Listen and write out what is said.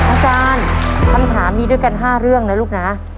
น้องการคำถามมีด้วยกันห้าเรื่องนะลูกนะค่ะ